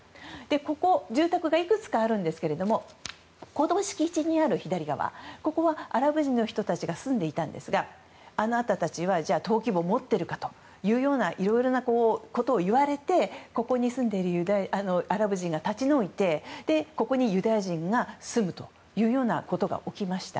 ここ、住宅がいくつかあるんですがこの敷地にある左側はここはアラブ人の人たちが住んでいたんですがあなたたちは登記簿を持っているのかといろいろなことを言われてここに住んでいるアラブ人が立ち退いて、ここにユダヤ人が住むということが起きました。